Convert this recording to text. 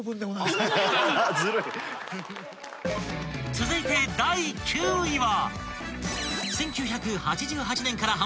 ［続いて第９位は］